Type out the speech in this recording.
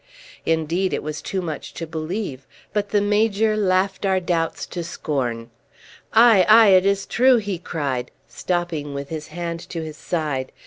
Indeed it was too much to believe, but the Major laughed our doubts to scorn. "Aye, aye, it is true," he cried, stopping with his hand to his side.